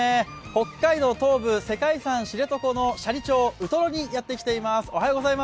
北海道東部、世界遺産、知床の斜里町ウトロにやってきています。